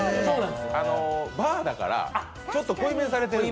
バーだから、ちょっと濃いめにされている。